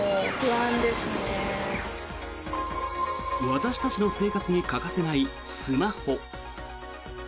私たちの生活に欠かせないスマホ。